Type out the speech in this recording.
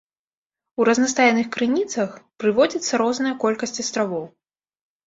У разнастайных крыніцах прыводзіцца розная колькасць астравоў.